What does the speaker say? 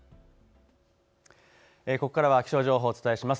ここからは気象情報、お伝えします。